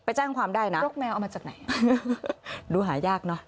แจ้งความได้นะนกแมวเอามาจากไหนดูหายากเนอะ